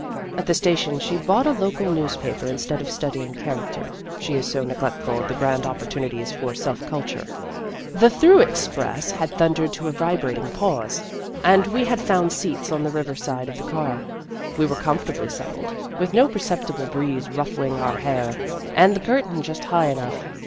At the station she bought a local newspaper instead of studying character (she is so neglectful of the grand opportunities for self culture). The through express had thundered to a vibrating pause, and we had found seats on the river side of the car. We were comfortably settled, with no perceptible breeze ruffling our hair, and the curtain just high enough.